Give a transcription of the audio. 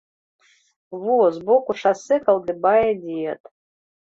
Во, збоку шасэ калдыбае дзед.